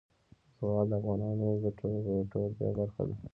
زغال د افغانانو د ګټورتیا برخه ده.